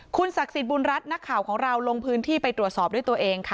คุณศักดิ์สิทธิ์บุญรัฐนักข่าวของเราลงพื้นที่ไปตรวจสอบด้วยตัวเองค่ะ